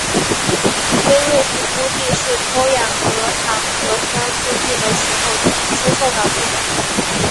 微卫星估计是脱氧核糖核酸复制的时候出错导致的。